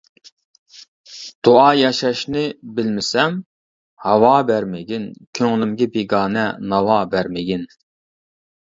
دۇئا ياشاشنى بىلمىسەم، ھاۋا بەرمىگىن، كۆڭلۈمگە بىگانە ناۋا بەرمىگىن.